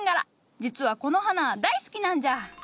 実はこの花大好きなんじゃ。